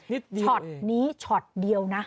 นิดเดียวช็อตนี้ช็อตเดียวนะ